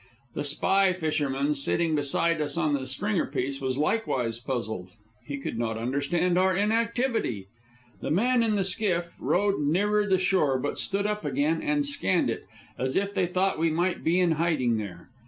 The spy fisherman, sitting beside us on the stringerpiece, was likewise puzzled. He could not understand our inactivity. The men in the skiff rowed nearer the shore, but stood up again and scanned it, as if they thought we might be in hiding there.